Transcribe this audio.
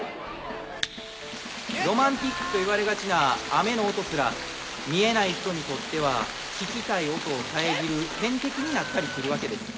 ロマンチックといわれがちな雨の音すら見えない人にとっては聞きたい音を遮る天敵になったりするわけです。